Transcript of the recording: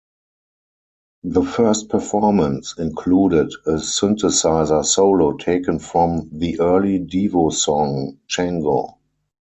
The first performance included a synthesizer solo taken from the early Devo song Chango.